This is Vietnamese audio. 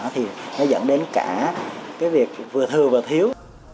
thì nó dẫn đến cả cái việc vừa thừa vừa thiếu